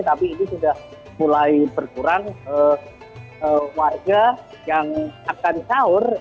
tapi ini sudah mulai berkurang warga yang akan sahur